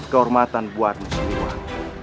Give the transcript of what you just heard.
kehormatan buat muslimah